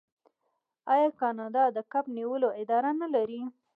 آیا کاناډا د کب نیولو اداره نلري؟